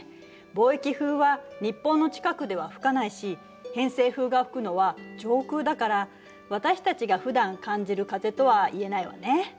貿易風は日本の近くでは吹かないし偏西風が吹くのは上空だから私たちがふだん感じる風とはいえないわね。